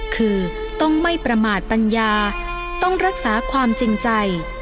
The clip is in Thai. คือต้องไม่ประมาทปัญญาต้องรักษาความจริงใจ